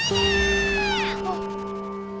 あっ！